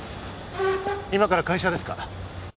今から会社ですか？